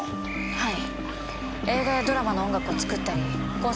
はい！